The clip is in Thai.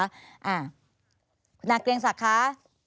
อ่าคุณอาเกียงศักดิ์คะ